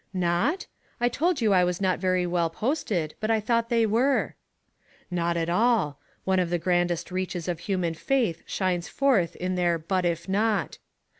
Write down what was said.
"Not? I told you I was not very well posted, but I thought they were." " Not at all ; one of the grandest reaches of human faith shines forth in their * but if not.'